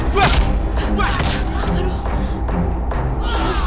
jangan bercampur tuh